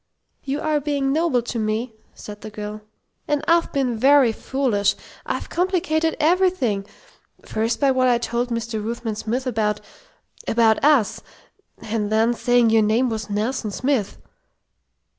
"You are being noble to me," said the girl, "and I've been very foolish. I've complicated everything. First, by what I told Mr. Ruthven Smith about about us. And then saying your name was Nelson Smith."